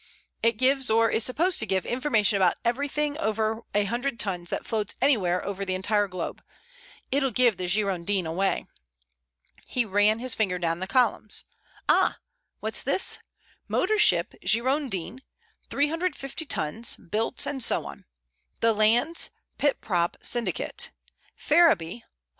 "It gives, or is supposed to give, information about everything over a hundred tons that floats anywhere over the entire globe. It'll give the Girondin anyway." He ran his finger down the columns. "Ah! what's this? Motor ship Girondin, 350 tons, built and so on. 'The Landes Pit Prop Syndicate, Ferriby, Hull.